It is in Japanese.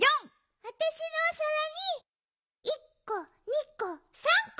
あたしのおさらに１こ２こ３こ。